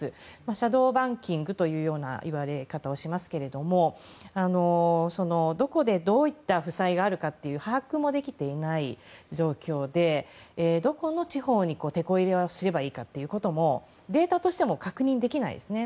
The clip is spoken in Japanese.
シャドーバンキングというようないわれ方をしますけどもどこで、どういった負債があるかという把握もできていない状況でどこの地方に、てこ入れすればいいかということもデータとしても確認できないんですね。